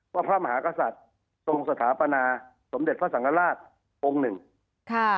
ว่าพระมหากษัตริย์ตรงสถาปนาสมเด็จพระสังฆราชองค์๑